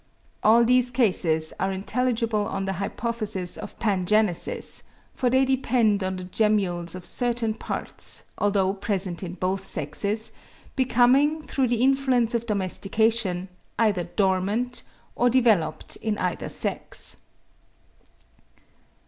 All these cases are intelligible on the hypothesis of pangenesis; for they depend on the gemmules of certain parts, although present in both sexes, becoming, through the influence of domestication, either dormant or developed in either sex.